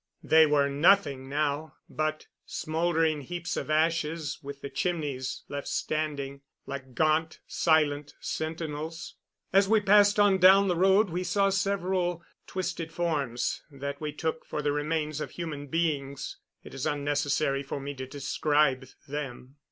They were nothing now but smoldering heaps of ashes with the chimneys left standing, like gaunt, silent sentinels. As we passed on down the road we saw several twisted forms that we took for the remains of human beings. It is unnecessary for me to describe them.